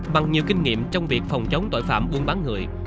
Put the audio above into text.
bằng nhiều kinh nghiệm trong việc phòng chống tội phạm buôn bán người